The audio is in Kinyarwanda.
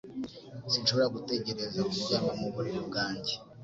Sinshobora gutegereza kuryama mu buriri bwanjye.